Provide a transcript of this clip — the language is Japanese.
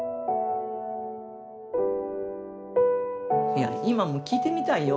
いや今も聞いてみたいよ